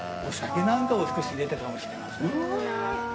なんかを少し入れたかもしれません。